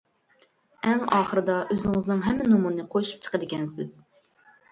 ئەڭ ئاخىرىدا ئۆزىڭىزنىڭ ھەممە نومۇرىنى قوشۇپ چىقىدىكەنسىز.